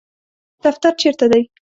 دفتر چیرته دی؟